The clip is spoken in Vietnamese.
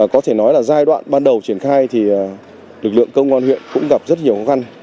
có thể nói là giai đoạn ban đầu triển khai thì lực lượng công an huyện cũng gặp rất nhiều khó khăn